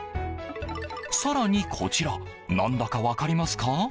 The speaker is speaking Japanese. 更にこちら何だか分かりますか？